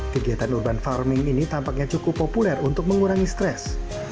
kegiatan urban farming ini tampaknya cukup populer untuk mengurangi stres